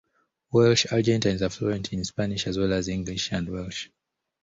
Welsh-Argentines are fluent in Spanish as well as English and Welsh.